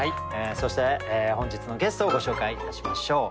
そして本日のゲストをご紹介いたしましょう。